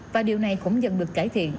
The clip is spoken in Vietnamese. và điều này cũng dần được cải thiện